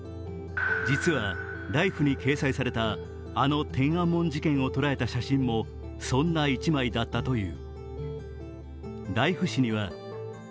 実は、「ライフ」に掲載されたあの天安門事件も捉えた写真もそんな一枚だったという。